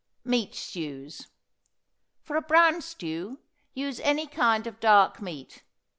MEAT STEWS. For a brown stew, use any kind of dark meat.